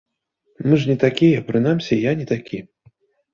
Мы ж не такія, прынамсі, я не такі.